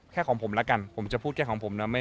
ของผมแล้วกันผมจะพูดแค่ของผมนะ